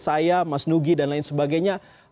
saya mas nugi dan lain sebagainya